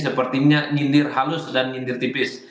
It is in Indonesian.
sepertinya nyindir halus dan nyindir tipis